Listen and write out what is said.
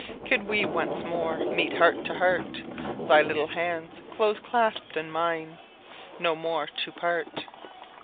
Could we once more Meet heart to heart, Thy little hands close clasped in mine, No more to part.